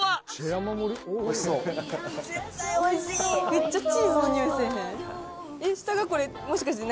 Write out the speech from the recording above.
めっちゃチーズの匂いせぇへん？